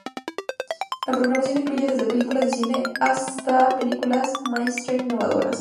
La programación incluye desde películas de cine arte hasta películas mainstream innovadoras.